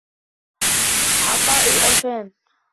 عَطَائِي أَلْفَانِ